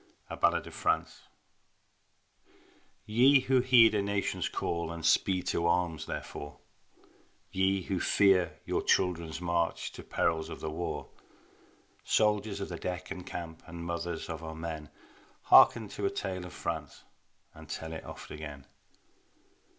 A BALLAD OF FRANCE Ye who heed a nation's call And speed to arms therefor, Ye who fear your children's march To perils of the war, Soldiers of the deck and camp And mothers of our men, Hearken to a tale of France And tell it oft again.